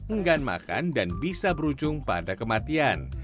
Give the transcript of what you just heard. enggan makan dan bisa berujung pada kematian